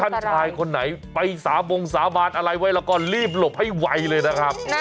ชายคนไหนไปสาบงสาบานอะไรไว้แล้วก็รีบหลบให้ไวเลยนะครับ